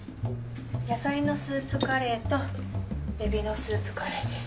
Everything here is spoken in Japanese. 野菜のスープカレーとえびのスープカレーです。